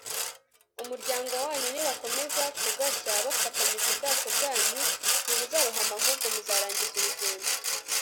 umuryango wanyu nibakomeza kugashya bafatanyije ubwato bwanyu ntibuzarohama ahubwo muzarangiza urugendo